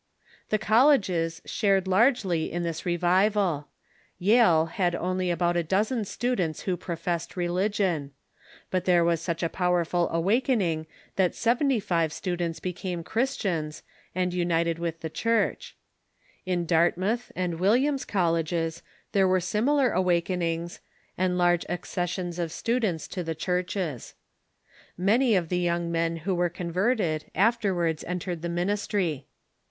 The colleges shared largely in this revival. Yale had only about a dozen students who professed religion. But there was such a powerful awakening that seventy live stu Revivais in the ^\Q^^^ became Christians, and united with the Colleges ' Church. In Dartmouth and Williams colleges there were similar awakenings, and large accessions of stu dents to the churches. Many of the young men who were converted afterwards entered the ministry.